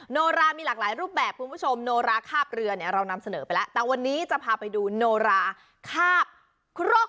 โนรามีหลากหลายรูปแบบคุณผู้ชมโนราคาบเรือเนี่ยเรานำเสนอไปแล้วแต่วันนี้จะพาไปดูโนราคาบครก